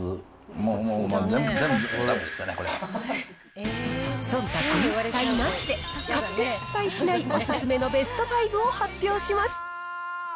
もうもう、そんたく一切なしで、買って失敗しないお勧めのベスト５を発表します。